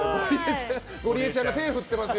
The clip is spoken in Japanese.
ゴリエちゃんが手を振っていますよ。